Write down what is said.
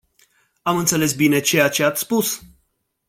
Am înțeles bine ceea ce ați spus?